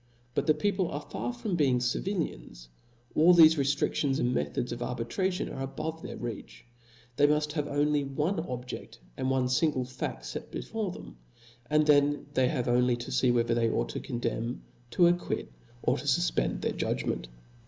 But the people are far from be ing civilians ; all thefe rcftriftions and methods of arbitration are above their reach ; they muft have only one objcft^ and one fingle fad fet before them ; and then they have only to fee whether they ought to condemn, to acquit, or to fufpend their judgment.